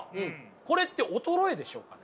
これって衰えでしょうかね？